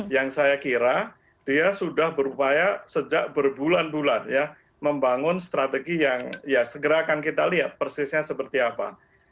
yang saya kira dia sudah berupaya sejak berbulan bulan ya membangun strategi yang ya segera akan kita lihat persisnya seperti apa